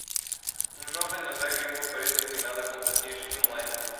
Um jovem navega em uma parede inclinada com patins inline